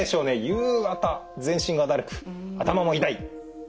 夕方全身がだるく頭も痛い。